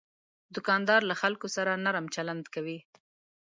دوکاندار له خلکو سره نرم چلند کوي.